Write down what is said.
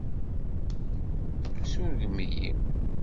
Surgem-iyi!